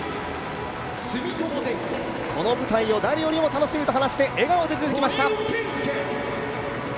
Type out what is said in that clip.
この舞台を誰よりも楽しむと話して笑顔で続きました。